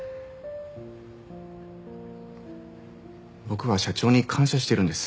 僕は社長に感謝してるんです。